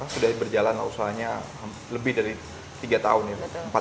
sudah berjalan lah usahanya lebih dari tiga tahun ya